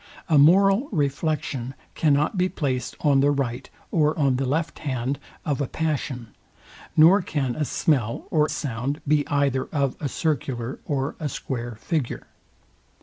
A moral reflection cannot be placed on the right or on the left hand of a passion, nor can a smell or sound be either of a circular or a square figure.